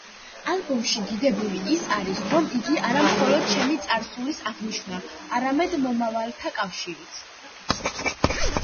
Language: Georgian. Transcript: ალბომში დიდებული ის არის, რომ იგი არა მხოლოდ ჩემი წარსულის აღნიშვნაა, არამედ მომავალთა კავშირიც.